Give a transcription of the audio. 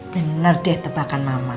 bener deh tebakan mama